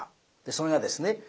それがですね